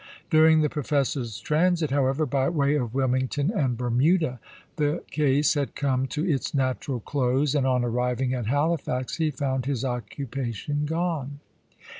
During the professor's transit, how ever, by way of Wilmington and Bermuda, the case had come to its natural close, and on arriving at Halifax he found his occupation gone.